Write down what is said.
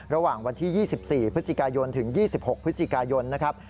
ระหว่างวันที่๒๔พฤศจิกายนถึง๒๖พฤศจิกายนนะครับ